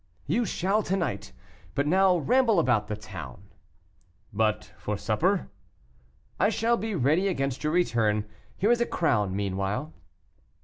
"You shall to night. But now ramble about the town." "But the supper?" "I shall be ready against your return; here is a crown meanwhile."